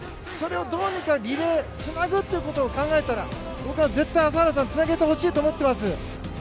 どうにかリレーつなぐと考えたら絶対、朝原さんつなげてほしいと思っています。